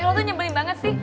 eh lo tuh nyebelin banget sih